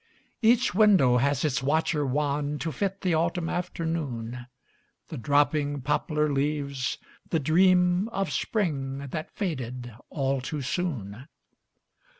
Each window has its watcher wan To fit the autumn afternoon, The dropping poplar leaves, the dream Of spring that faded all too soon.